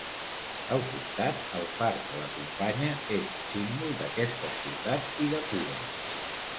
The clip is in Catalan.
Al costat, el far que l'acompanya, és símbol d'aquesta ciutat i de Cuba.